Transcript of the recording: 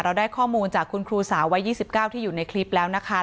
ได้ข้อมูลจากคุณครูสาววัย๒๙ที่อยู่ในคลิปแล้วนะคะ